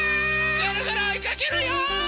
ぐるぐるおいかけるよ！